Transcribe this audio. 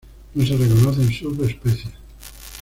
No se reconocen subespecies.